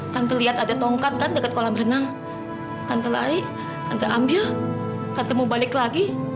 tante lihat ada tongkat kan deket kolam renang tante lari tante ambil tante mau balik lagi